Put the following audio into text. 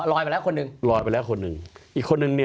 ลอยไปแล้วคนหนึ่ง